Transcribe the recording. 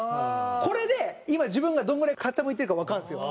これで今自分がどんぐらい傾いてるかわかるんですよ。